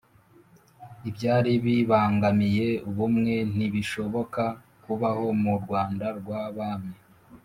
ibyari bibangamiye ubumwe ntibishoboka kubaho mu rwanda rw'abami,